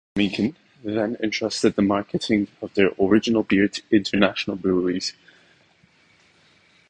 Mohan Meakin then entrusted the marketing of their original beer to International Breweries Pvt.